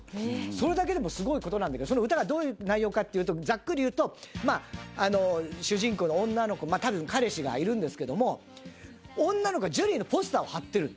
それだけでもすごい事なんだけどその歌がどういう内容かっていうとざっくり言うと主人公の女の子多分彼氏がいるんですけども女の子がジュリーのポスターを貼ってる。